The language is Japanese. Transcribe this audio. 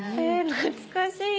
懐かしいね。